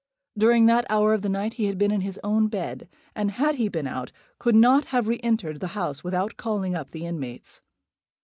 During that hour of the night he had been in his own bed; and, had he been out, could not have re entered the house without calling up the inmates.